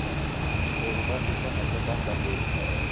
Vitoi w'avisa mapemba mbangenyi